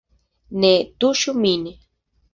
Ne tuŝu min.